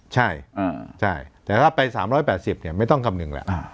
ใช่แต่ถ้าไป๓๘๐ไม่ต้องคำนึงแล้ว